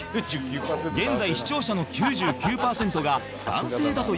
現在視聴者の９９パーセントが男性だという